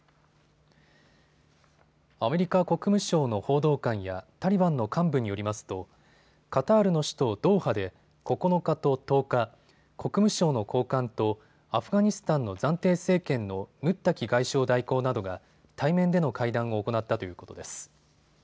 アメリカ国務省の報道官やタリバンの幹部によりますとカタールの首都ドーハで９日と１０日、国務省の高官とアフガニスタンの暫定政権のムッタキ外相代行などが対面での会談を行ったということです。